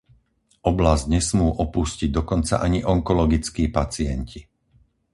Oblasť nesmú opustiť dokonca ani onkologickí pacienti.